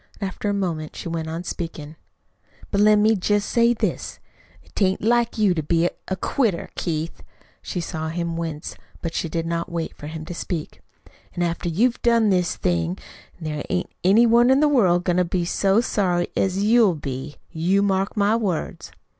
After a moment she went on speaking. "But let me say jest this: 'tain't like you to be a quitter, Keith." She saw him wince, but she did not wait for him to speak. "An' after you've done this thing, there ain't any one in the world goin' to be so sorry as you'll be. You mark my words."